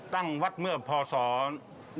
ตั้งวัดเมื่อพศ๑๓๔๕น